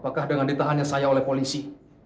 apakah dengan ditahannya saya oleh polisi